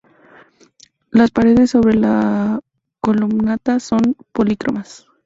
Las paredes sobre la columnata son polícromas.